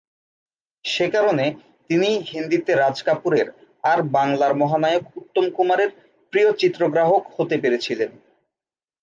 সেকারণে তিনি হিন্দিতে রাজ কাপুরের আর বাংলার মহানায়ক উত্তম কুমারের প্রিয় চিত্রগ্রাহক হতে পেরেছিলেন।